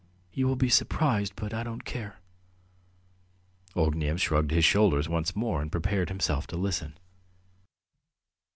... You will be surprised, but I don't care. ..." Ognev shrugged his shoulders once more and prepared himself to listen.